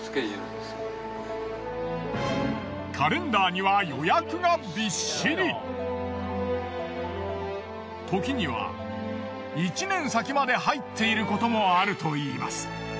カレンダーにはときには１年先まで入っていることもあるといいます。